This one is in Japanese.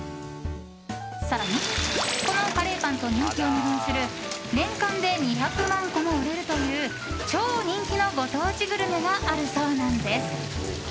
更に、このカレーパンと人気を二分する年間で２００万個も売れるという超人気のご当地グルメがあるそうなんです。